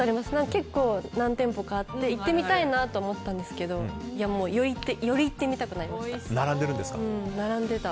結構何店舗かあって行ってみたいと思ってたんですがより行ってみたくなりました。